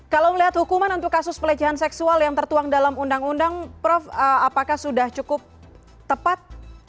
kalau melihat hukuman untuk kasus pelecehan seksual yang tertuang dalam undang undang prof apakah sudah cukup tepat